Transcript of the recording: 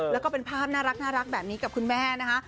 แล้วก็เป็นภาพน่ารักแบบนี้กับคุณแม่นะคะ